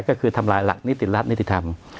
ก็คือทำลายหลักนิติฤทธรรม